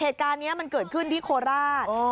เหตุการณ์นี้มันเกิดขึ้นที่โคราช